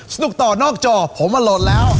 สนุกต่อนอกจอผมมาโหลดแล้ว